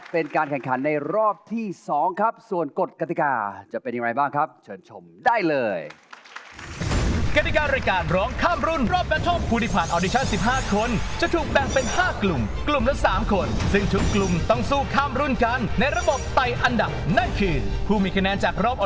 เป็นการแข่งขันในรอบที่๒ครับส่วนกฎกฎิกาจะเป็นอย่างไรบ้างครับ